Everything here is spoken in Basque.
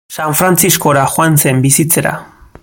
San Frantziskora joan zen bizitzera.